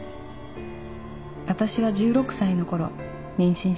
「私は１６歳の頃妊娠しました」